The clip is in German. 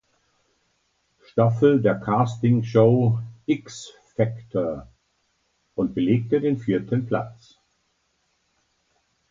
Staffel der Castingshow "X Factor" und belegte den vierten Platz.